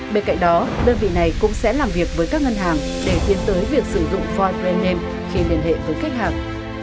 bên cạnh đó đơn vị này cũng sẽ làm việc với các ngân hàng để tiến tới việc sử dụng void brand name khi liên hệ với khách hàng